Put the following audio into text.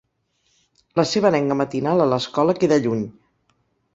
La seva arenga matinal a l'escola queda lluny.